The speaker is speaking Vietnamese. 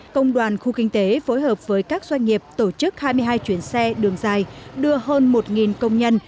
công đoàn khu kinh tế phối hợp với các doanh nghiệp tổ chức hai mươi hai chuyến xe đường dài đưa hơn một công nhân